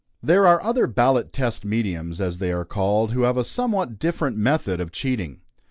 There are other "ballot test mediums," as they are called, who have a somewhat different method of cheating.